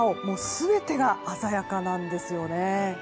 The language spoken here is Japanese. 全てが鮮やかなんですよね。